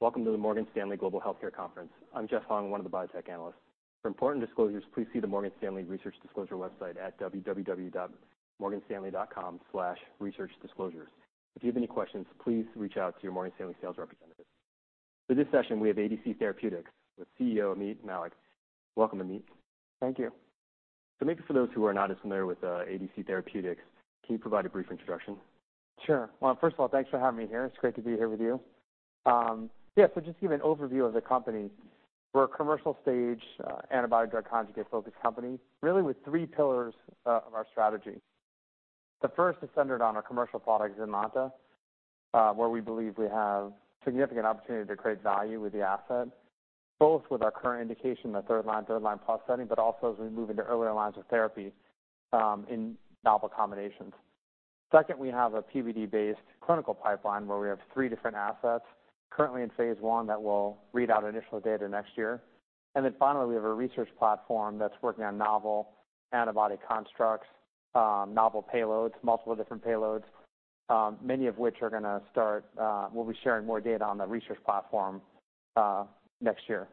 Welcome to the Morgan Stanley Global Healthcare Conference. I'm Jeffrey Hung, one of the biotech analysts. For important disclosures, please see the Morgan Stanley Research Disclosure website at www.morganstanley.com/researchdisclosures. If you have any questions, please reach out to your Morgan Stanley sales representative. For this session, we have ADC Therapeutics with CEO, Ameet Mallik. Welcome, Ameet. Thank you. Maybe for those who are not as familiar with ADC Therapeutics, can you provide a brief introduction? Sure. Well, first of all, thanks for having me here. It's great to be here with you. Yeah, so just to give you an overview of the company, we're a commercial stage antibody drug conjugate-focused company, really with three pillars of our strategy. The first is centered on our commercial product, ZYNLONTA, where we believe we have significant opportunity to create value with the asset, both with our current indication, the third-line, third-line plus setting, but also as we move into earlier lines of therapy in novel combinations. Second, we have a PBD-based clinical pipeline, where we have three different assets currently in phase one that will read out initial data next year. And then finally, we have a research platform that's working on novel antibody constructs, novel payloads, multiple different payloads, many of which are gonna start, we'll be sharing more data on the research platform next year.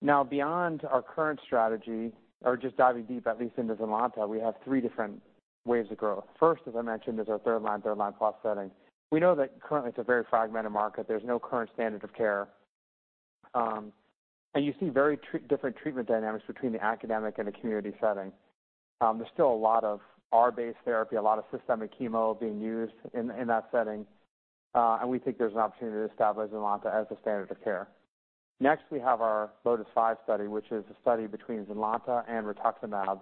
Now, beyond our current strategy, or just diving deep, at least into ZYNLONTA, we have three different ways to grow. First, as I mentioned, is our third-line, third-line plus setting. We know that currently it's a very fragmented market. There's no current standard of care. You see very different treatment dynamics between the academic and the community setting. There's still a lot of R-based therapy, a lot of systemic chemo being used in that setting, and we think there's an opportunity to establish ZYNLONTA as a standard of care. Next, we have our LOTIS-5 study, which is a study between ZYNLONTA and rituximab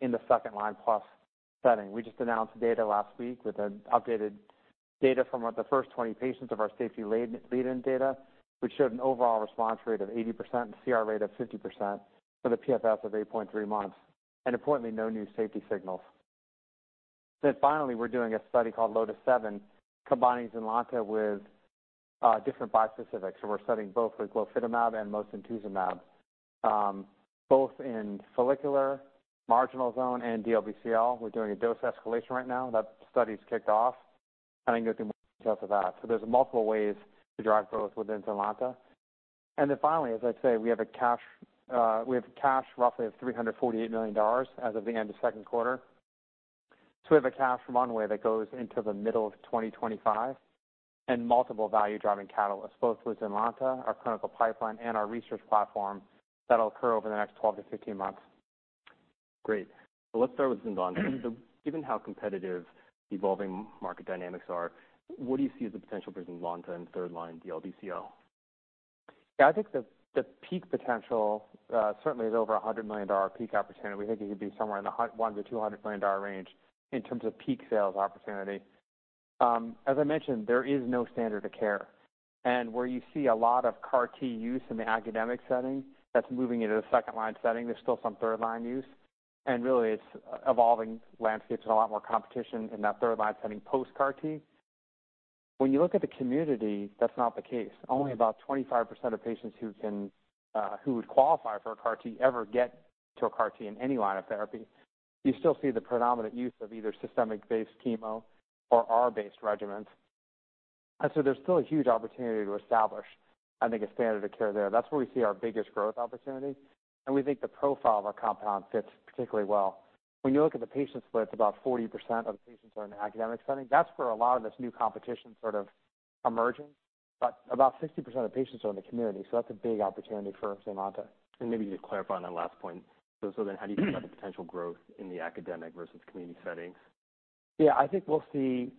in the second-line plus setting. We just announced data last week with an updated data from the first 20 patients of our safety lead-in data, which showed an overall response rate of 80% and CR rate of 50%, with a PFS of 8.3 months, and importantly, no new safety signals. We're doing a study called LOTIS-7, combining ZYNLONTA with different bispecifics, so we're studying both glofitamab and mosunetuzumab both in follicular, marginal zone, and DLBCL. We're doing a dose escalation right now. That study's kicked off, and I can go through more details of that. So there's multiple ways to drive growth within ZYNLONTA. And then finally, as I'd say, we have a cash, we have a cash roughly of $348 million as of the end of second quarter. So we have a cash runway that goes into the middle of 2025, and multiple value-driving catalysts, both with ZYNLONTA, our clinical pipeline, and our research platform, that'll occur over the next 12-15 months. Great. Let's start with ZYNLONTA. Given how competitive the evolving market dynamics are, what do you see as the potential for ZYNLONTA in third line DLBCL? Yeah, I think the peak potential certainly is over $100 million peak opportunity. We think it could be somewhere in the one to two hundred million dollar range in terms of peak sales opportunity. As I mentioned, there is no standard of care, and where you see a lot of CAR-T use in the academic setting, that's moving into the second line setting. There's still some third line use, and really it's evolving landscapes and a lot more competition in that third line setting, post-CAR-T. When you look at the community, that's not the case. Only about 25% of patients who can who would qualify for a CAR T ever get to a CAR-T in any line of therapy. You still see the predominant use of either systemic-based chemo or R-based regimens. So there's still a huge opportunity to establish, I think, a standard of care there. That's where we see our biggest growth opportunity, and we think the profile of our compound fits particularly well. When you look at the patient split, about 40% of the patients are in an academic setting. That's where a lot of this new competition sort of emerging, but about 60% of patients are in the community, so that's a big opportunity for ZYNLONTA. Maybe just to clarify on that last point. So then how do you think about the potential growth in the academic versus community settings? Yeah, I think we'll see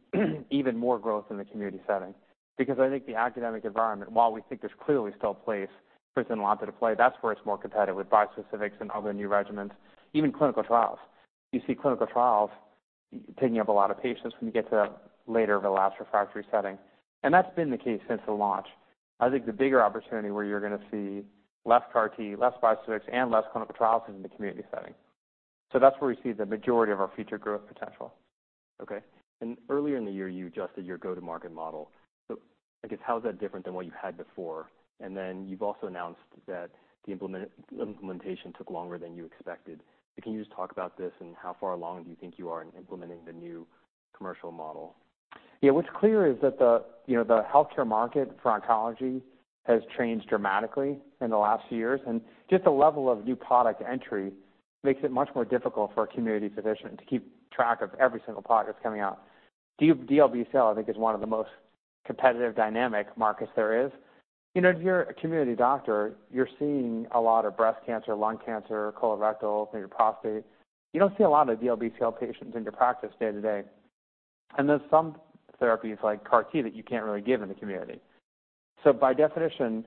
even more growth in the community setting, because I think the academic environment, while we think there's clearly still a place for ZYNLONTA to play, that's where it's more competitive with bispecifics and other new regimens, even clinical trials. You see clinical trials taking up a lot of patients when you get to later relapse refractory setting, and that's been the case since the launch. I think the bigger opportunity where you're gonna see less CAR-T, less bispecifics, and less clinical trials is in the community setting. So that's where we see the majority of our future growth potential. Okay. And earlier in the year, you adjusted your go-to-market model. So I guess, how is that different than what you had before? And then you've also announced that the implementation took longer than you expected. So can you just talk about this, and how far along do you think you are in implementing the new commercial model? Yeah, what's clear is that you know, the healthcare market for oncology has changed dramatically in the last few years, and just the level of new product entry makes it much more difficult for a community physician to keep track of every single product that's coming out. DLBCL, I think, is one of the most competitive, dynamic markets there is. You know, if you're a community doctor, you're seeing a lot of breast cancer, lung cancer, colorectal, maybe prostate. You don't see a lot of DLBCL patients in your practice day-to-day. And there's some therapies, like CAR-T, that you can't really give in the community. So by definition,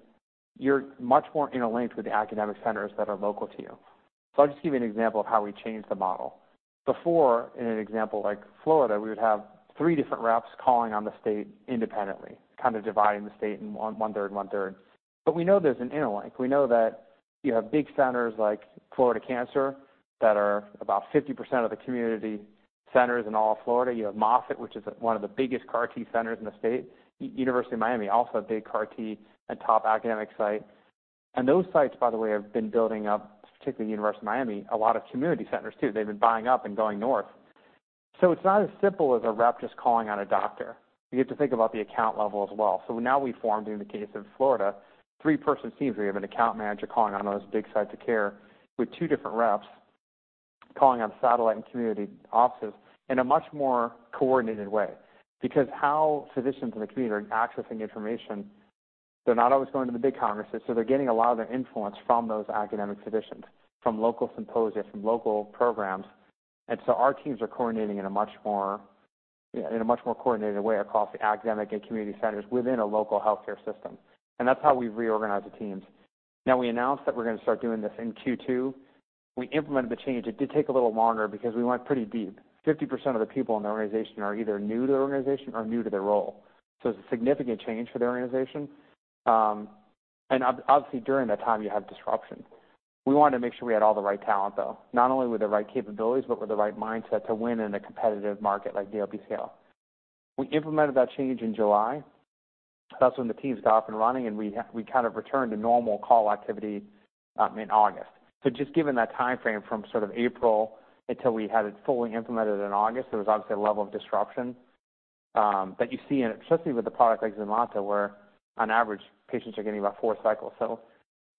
you're much more interlinked with the academic centers that are local to you. So I'll just give you an example of how we changed the model. Before, in an example like Florida, we would have three different reps calling on the state independently, kind of dividing the state into one third, one third. But we know there's an interlink. We know that you have big centers like Florida Cancer, that are about 50% of the community centers in all of Florida. You have Moffitt, which is one of the biggest CAR-T centers in the state. University of Miami, also a big CAR-T and top academic site. And those sites, by the way, have been building up, particularly University of Miami, a lot of community centers, too. They've been buying up and going north. So it's not as simple as a rep just calling on a doctor. You have to think about the account level as well. So now we formed, in the case of Florida, three-person teams, where you have an account manager calling on those big sites of care, with two different reps calling on satellite and community offices in a much more coordinated way. Because how physicians in the community are accessing information, they're not always going to the big congresses, so they're getting a lot of their influence from those academic physicians, from local symposia, from local programs. And so our teams are coordinating in a much more, in a much more coordinated way across the academic and community centers within a local healthcare system. And that's how we've reorganized the teams. Now, we announced that we're going to start doing this in Q2. We implemented the change. It did take a little longer because we went pretty deep. 50% of the people in the organization are either new to the organization or new to their role, so it's a significant change for the organization. And obviously, during that time, you have disruption. We wanted to make sure we had all the right talent, though, not only with the right capabilities, but with the right mindset to win in a competitive market like DLBCL. We implemented that change in July. That's when the teams got up and running, and we kind of returned to normal call activity in August. So just given that time frame from sort of April until we had it fully implemented in August, there was obviously a level of disruption that you see, and especially with a product like ZYNLONTA, where on average, patients are getting about four cycles.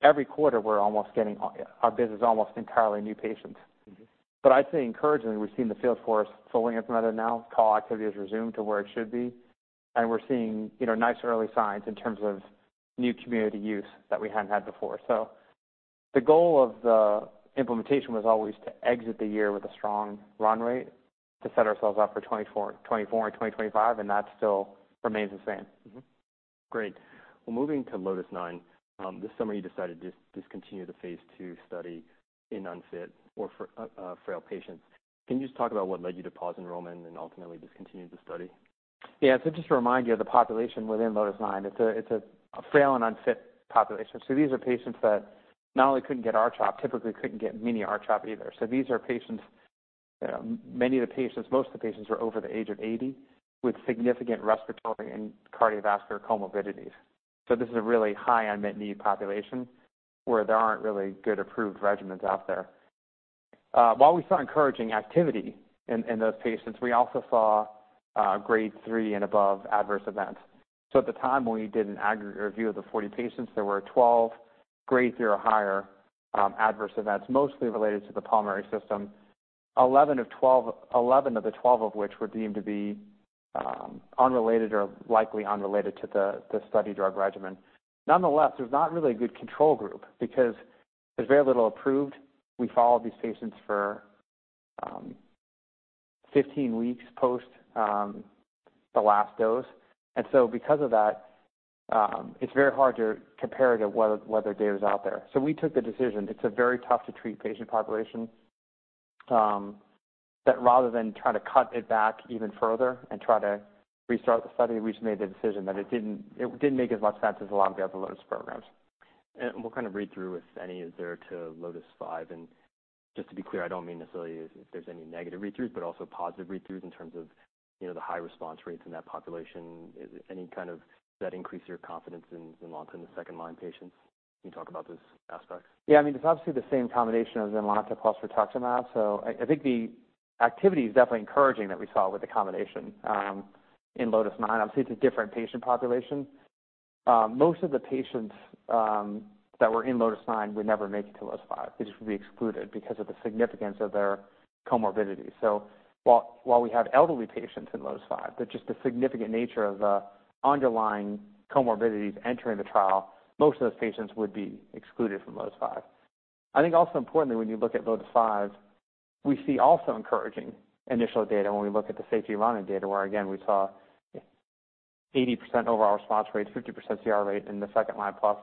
Every quarter, we're almost getting our business almost entirely new patients. Mm-hmm. But I'd say encouragingly, we've seen the field force fully implemented now. Call activity has resumed to where it should be, and we're seeing, you know, nice early signs in terms of new community use that we hadn't had before. So the goal of the implementation was always to exit the year with a strong run rate to set ourselves up for 2024, 2024 and 2025, and that still remains the same. Mm-hmm. Great. Well, moving to LOTIS-9, this summer, you decided to discontinue the phase II study in unfit or frail patients. Can you just talk about what led you to pause enrollment and ultimately discontinue the study? Yeah. So just to remind you, the population within LOTIS-9, it's a frail and unfit population. So these are patients that not only couldn't get R-CHOP, typically couldn't get mini R-CHOP either. So these are patients, many of the patients, most of the patients are over the age of 80, with significant respiratory and cardiovascular comorbidities. So this is a really high unmet need population, where there aren't really good approved regimens out there. While we saw encouraging activity in those patients, we also saw Grade 3 and above adverse events. So at the time, when we did an aggregate review of the 40 patients, there were 12 Grade 3 or higher adverse events, mostly related to the pulmonary system. 11 of 12—11 of the 12 of which were deemed to be unrelated or likely unrelated to the study drug regimen. Nonetheless, there's not really a good control group because there's very little approved. We followed these patients for 15 weeks post the last dose, and so because of that, it's very hard to compare it to what other data is out there. So we took the decision. It's a very tough to treat patient population that rather than try to cut it back even further and try to restart the study, we just made the decision that it didn't make as much sense as a lot of the other LOTIS programs. What kind of read-through, if any, is there to LOTIS-5? And just to be clear, I don't mean necessarily if there's any negative read-throughs, but also positive read-throughs in terms of, you know, the high response rates in that population. Is any kind of that increase your confidence in ZYNLONTA in the second-line patients? Can you talk about those aspects? Yeah, I mean, it's obviously the same combination of ZYNLONTA plus rituximab. So I think the activity is definitely encouraging that we saw with the combination in LOTIS-9. Obviously, it's a different patient population. Most of the patients that were in LOTIS-9 would never make it to LOTIS-5. They just would be excluded because of the significance of their comorbidities. So while we have elderly patients in LOTIS-5, but just the significant nature of the underlying comorbidities entering the trial, most of those patients would be excluded from LOTIS-5. I think also importantly, when you look at LOTIS-5, we see also encouraging initial data when we look at the safety running data, where, again, we saw 80% overall response rate, 50% CR rate in the second-line plus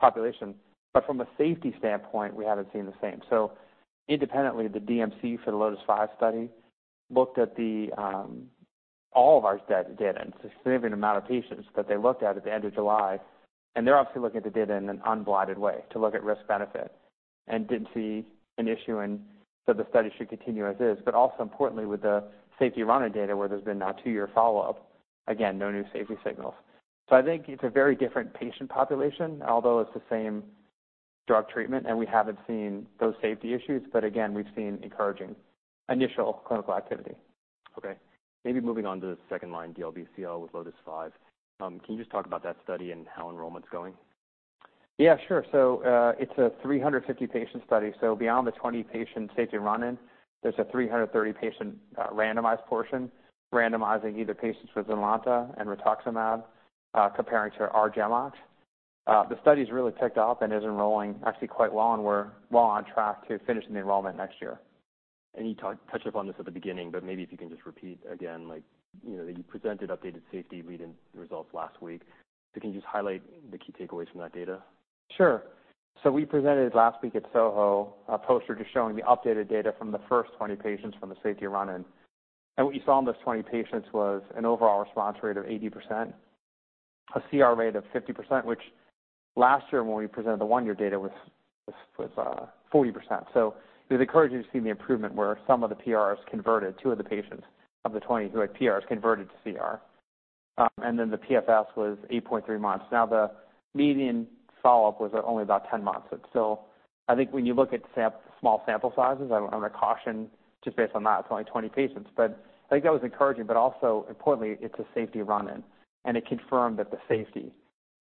population. But from a safety standpoint, we haven't seen the same. So independently, the DMC for the LOTIS-5 study looked at the all of our data, and it's a significant amount of patients that they looked at, at the end of July, and they're obviously looking at the data in an unblinded way to look at risk-benefit and didn't see an issue, and so the study should continue as is. But also importantly, with the safety run-in data, where there's been now two-year follow-up, again, no new safety signals. So I think it's a very different patient population, although it's the same drug treatment, and we haven't seen those safety issues. But again, we've seen encouraging initial clinical activity. Okay, maybe moving on to the second line, DLBCL with LOTIS-5. Can you just talk about that study and how enrollment's going? Yeah, sure. So, it's a 350-patient study, so beyond the 20-patient safety run-in, there's a 330-patient randomized portion, randomizing either patients with ZYNLONTA and rituximab, comparing to R-GemOx. The study's really picked up and is enrolling actually quite well, and we're well on track to finishing the enrollment next year. You touched upon this at the beginning, but maybe if you can just repeat again, like, you know, that you presented updated safety read-in results last week. So can you just highlight the key takeaways from that data? Sure. So we presented last week at SOHO, a poster just showing the updated data from the first 20 patients from the safety run-in. And what we saw in those 20 patients was an overall response rate of 80%, a CR rate of 50%, which last year when we presented the one-year data was 40%. So it was encouraging to see the improvement, where some of the PRs converted, 2 of the patients of the 20 who had PRs converted to CR, and then the PFS was 8.3 months. Now, the median follow-up was only about 10 months. So I think when you look at small sample sizes, I want to caution just based on that, it's only 20 patients, but I think that was encouraging. But also importantly, it's a safety run-in, and it confirmed that the safety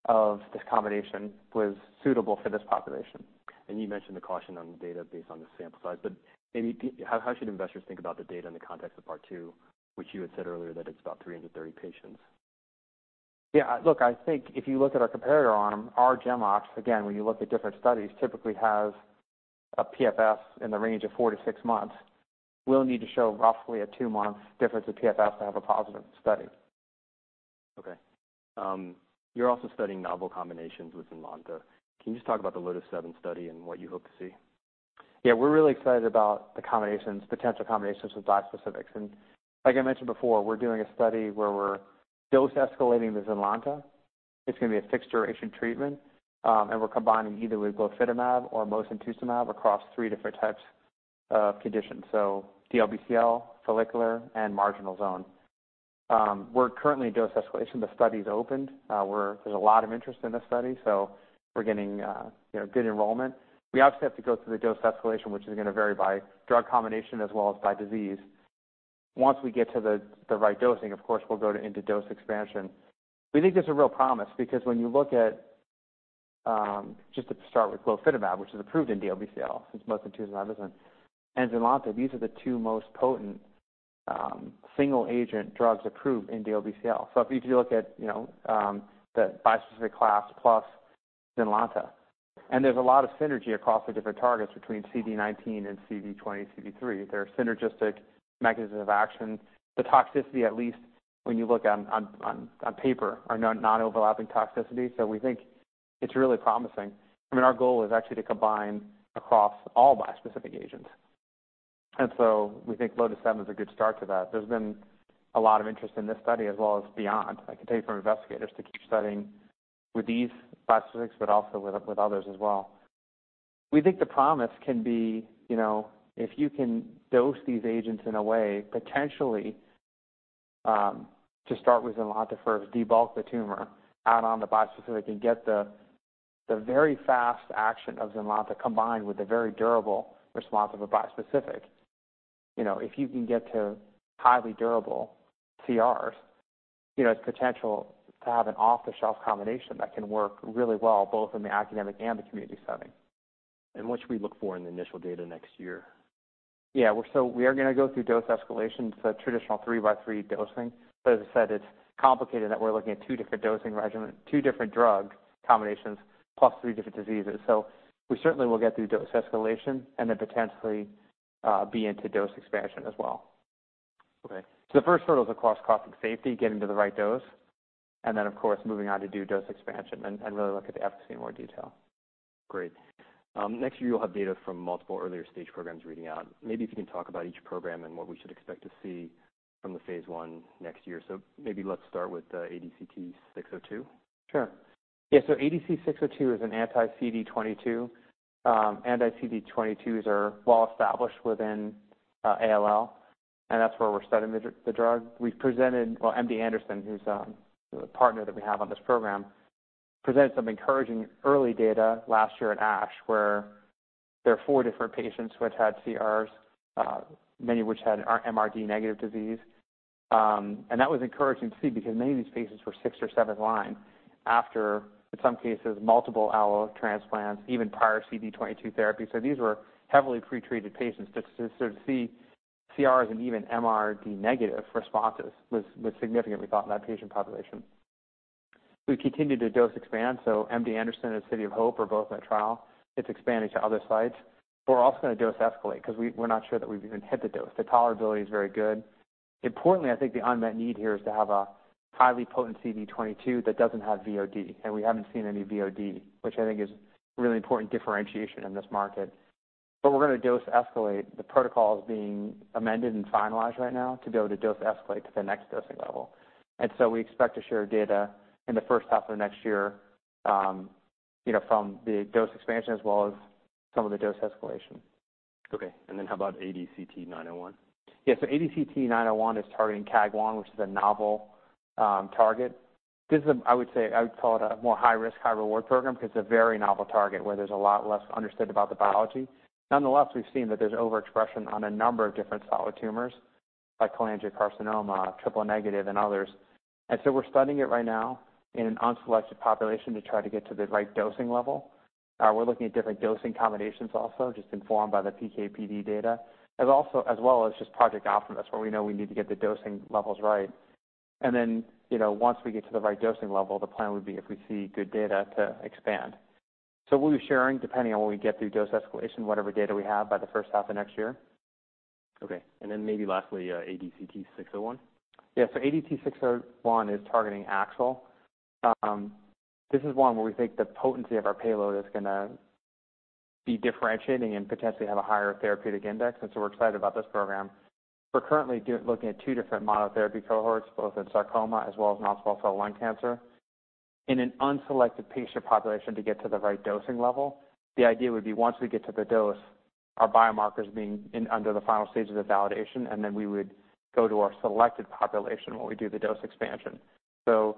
of this combination was suitable for this population. You mentioned the caution on the data based on the sample size, but maybe, how should investors think about the data in the context of part two, which you had said earlier, that it's about 330 patients? Yeah, look, I think if you look at our comparator arm, our GEMOX, again, when you look at different studies, typically have a PFS in the range of four to six months. We'll need to show roughly a two-month difference of PFS to have a positive study. Okay. You're also studying novel combinations with ZYNLONTA. Can you just talk about the LOTIS-7 study and what you hope to see? Yeah, we're really excited about the combinations, potential combinations with bispecifics. Like I mentioned before, we're doing a study where we're dose-escalating the ZYNLONTA. It's going to be a fixed-duration treatment, and we're combining either with glofitamab or mosunetuzumab across three different types of conditions. So DLBCL, follicular, and marginal zone. We're currently in dose escalation. The study is opened. We're – there's a lot of interest in this study, so we're getting, you know, good enrollment. We obviously have to go through the dose escalation, which is going to vary by drug combination as well as by disease. Once we get to the right dosing, of course, we'll go into dose expansion. We think there's a real promise, because when you look at, just to start with glofitamab, which is approved in DLBCL, since mosunetuzumab isn't, and ZYNLONTA, these are the two most potent, single-agent drugs approved in DLBCL. So if you look at, you know, the bispecific class plus ZYNLONTA, and there's a lot of synergy across the different targets between CD19 and CD20, CD3. They're synergistic mechanism of action. The toxicity, at least when you look on paper, are non-overlapping toxicity, so we think it's really promising. I mean, our goal is actually to combine across all bispecific agents, and so we think LOTIS-7 is a good start to that. There's been a lot of interest in this study as well as beyond. I can tell you from investigators to keep studying with these bispecifics, but also with, with others as well. We think the promise can be, you know, if you can dose these agents in a way, potentially, to start with ZYNLONTA first, debulk the tumor, add on the bispecific and get the, the very fast action of ZYNLONTA combined with the very durable response of a bispecific. You know, if you can get to highly durable CRs, you know, it's potential to have an off-the-shelf combination that can work really well, both in the academic and the community setting. What should we look for in the initial data next year? Yeah, so we are going to go through dose escalation, so traditional 3-by-3 dosing. But as I said, it's complicated that we're looking at two different dosing regimens, two different drug combinations, plus three different diseases. So we certainly will get through dose escalation and then potentially be into dose expansion as well. Okay. The first hurdle is, of course, toxic safety, getting to the right dose, and then, of course, moving on to do dose expansion and really look at the efficacy in more detail. Great. Next year, you'll have data from multiple earlier stage programs reading out. Maybe if you can talk about each program and what we should expect to see from the phase I next year. So maybe let's start with ADCT-602. Sure. Yeah, so ADCT-602 is an anti-CD22. Anti-CD22 are well established within ALL, and that's where we're studying the drug. We've presented... well, MD Anderson, who's the partner that we have on this program, presented some encouraging early data last year at ASH, where there are four different patients which had CRs, many which had MRD-negative disease. And that was encouraging to see because many of these patients were six or seven line after, in some cases, multiple ALL transplants, even prior CD22 therapy. So these were heavily pretreated patients. To sort of see CRs and even MRD-negative responses was significantly thought in that patient population. We continued to dose expand, so MD Anderson and City of Hope are both in a trial. It's expanding to other sites, but we're also going to dose escalate because we're not sure that we've even hit the dose. The tolerability is very good. Importantly, I think the unmet need here is to have a highly potent CD22 that doesn't have VOD, and we haven't seen any VOD, which I think is really important differentiation in this market. But we're going to dose escalate. The protocol is being amended and finalized right now to be able to dose escalate to the next dosing level. And so we expect to share data in the first half of next year, you know, from the dose expansion as well as some of the dose escalation. Okay, and then how about ADCT-901? Yeah, so ADCT-901 is targeting KAAG1, which is a novel target. This is, I would say, I would call it a more high-risk, high-reward program because it's a very novel target where there's a lot less understood about the biology. Nonetheless, we've seen that there's overexpression on a number of different solid tumors like cholangiocarcinoma, triple negative, and others. And so we're studying it right now in an unselected population to try to get to the right dosing level. We're looking at different dosing combinations also, just informed by the PK/PD data, as well as just Project Optimus, where we know we need to get the dosing levels right. And then, you know, once we get to the right dosing level, the plan would be, if we see good data, to expand. We'll be sharing, depending on what we get through dose escalation, whatever data we have by the first half of next year. Okay, and then maybe lastly, ADCT-601. Yeah. So ADCT-601 is targeting AXL. This is one where we think the potency of our payload is gonna be differentiating and potentially have a higher therapeutic index, and so we're excited about this program. We're currently looking at two different monotherapy cohorts, both in sarcoma as well as non-small cell lung cancer in an unselected patient population to get to the right dosing level. The idea would be once we get to the dose, our biomarkers being in under the final stages of validation, and then we would go to our selected population when we do the dose expansion. So,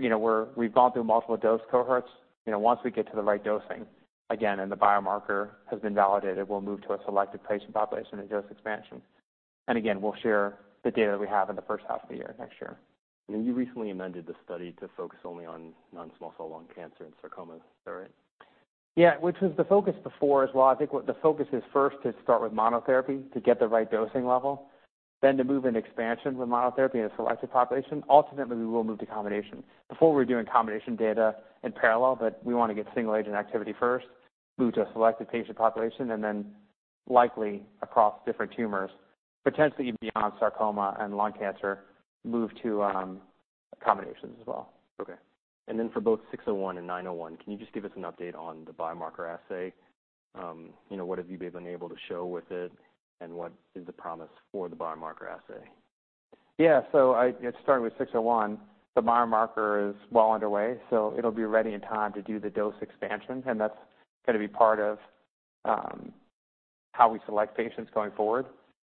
you know, we've gone through multiple dose cohorts. You know, once we get to the right dosing, again, and the biomarker has been validated, we'll move to a selected patient population and dose expansion. Again, we'll share the data that we have in the first half of the year next year. You recently amended the study to focus only on non-small cell lung cancer and sarcomas, is that right? Yeah, which was the focus before as well. I think what the focus is first, is to start with monotherapy to get the right dosing level, then to move into expansion with monotherapy in a selected population. Ultimately, we will move to combination. Before, we were doing combination data in parallel, but we want to get single agent activity first, move to a selected patient population, and then likely across different tumors, potentially even beyond sarcoma and lung cancer, move to combinations as well. Okay. And then for both 601 and 901, can you just give us an update on the biomarker assay? You know, what have you been able to show with it, and what is the promise for the biomarker assay? Yeah. So starting with 601, the biomarker is well underway, so it'll be ready in time to do the dose expansion, and that's going to be part of how we select patients going forward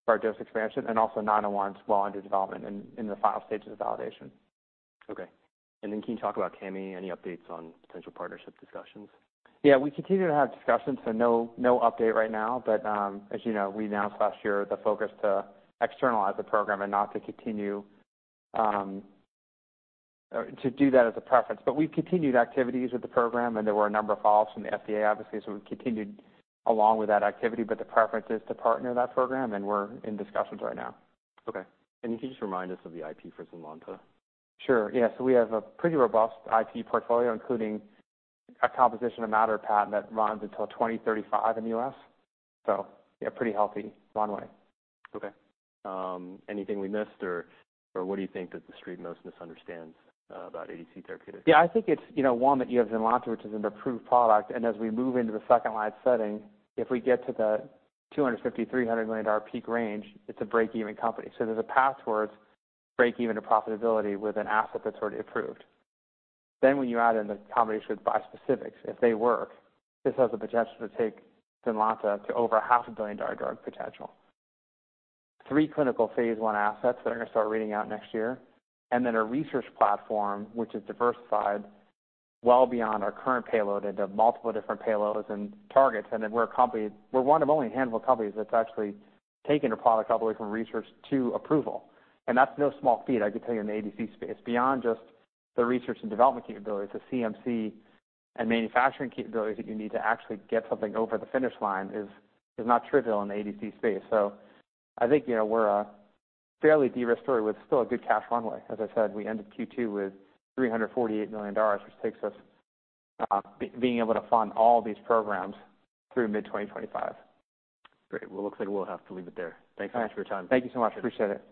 for our dose expansion and also 901's well under development in the final stages of validation. Okay. Then can you talk about Cami? Any updates on potential partnership discussions? Yeah, we continue to have discussions, so no, no update right now. But, as you know, we announced last year the focus to externalize the program and not to continue to do that as a preference. But we've continued activities with the program, and there were a number of calls from the FDA, obviously, so we've continued along with that activity, but the preference is to partner that program, and we're in discussions right now. Okay. And can you just remind us of the IP for ZYNLONTA? Sure. Yeah. So we have a pretty robust IP portfolio, including a composition of matter patent that runs until 2035 in the U.S. So yeah, pretty healthy runway. Okay. Anything we missed or, or what do you think that the street most misunderstands about ADC Therapeutics? Yeah, I think it's, you know, one, that you have ZYNLONTA, which is an approved product, and as we move into the second line setting, if we get to the $250 million-$300 million peak range, it's a break-even company. So there's a path towards break-even to profitability with an asset that's already approved. Then when you add in the combination with bispecifics, if they work, this has the potential to take ZYNLONTA to over $500 million drug potential. Three clinical phase I assets that are going to start reading out next year, and then a research platform which is diversified well beyond our current payload into multiple different payloads and targets, and then we're a company—we're one of only a handful of companies that's actually taken a product all the way from research to approval, and that's no small feat, I can tell you, in the ADC space. Beyond just the research and development capabilities, the CMC and manufacturing capabilities that you need to actually get something over the finish line is, is not trivial in the ADC space. So I think, you know, we're a fairly de-risked story with still a good cash runway. As I said, we ended Q2 with $348 million, which takes us, being able to fund all these programs through mid-2025. Great. Well, looks like we'll have to leave it there. Thanks so much for your time. Thank you so much. Appreciate it.